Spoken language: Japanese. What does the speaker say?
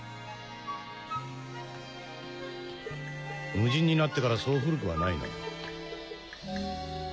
無人になってからそう古くはないな。